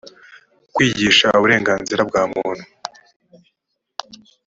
kwigisha uburenganzira bwa muntu